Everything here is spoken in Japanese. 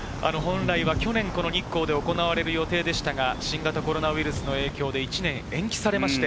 本来、去年この日光で行われる予定でしたが新型コロナウイルスの影響で１年延期されました。